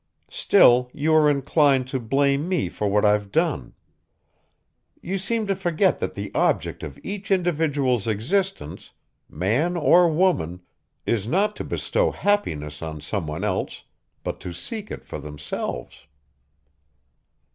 Still you are inclined to blame me for what I've done. You seem to forget that the object of each individual's existence, man or woman, is not to bestow happiness on some one else, but to seek it for themselves."